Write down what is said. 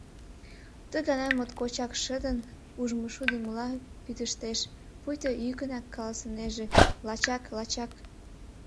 Ты гана моткочак шыдын, ужмышудымыла кӱтыштеш, пуйто йӱкынак каласынеже: лачак, лачак!